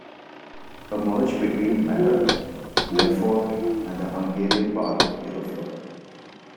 A merge between "Malert", "Maefort" and the Hungarian part of "Aeroflot".